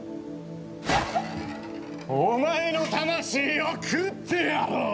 お前の魂を喰ってやろう！